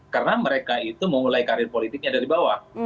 karena mereka itu mau mulai karir politiknya dari bawah